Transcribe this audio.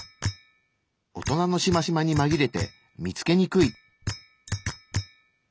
大人のしましまにまぎれて見つけにくい。